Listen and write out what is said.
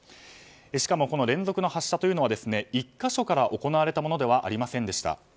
しかも連続の発射というのは１か所から行われたものではありませんでした。